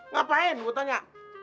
ngapain gue tanya